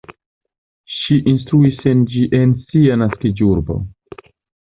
Ŝi instruis en sia naskiĝurbo.